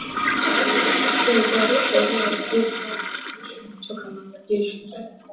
nikiripotia idhaa ya kiswahili ya redio france international kutoka mogadishu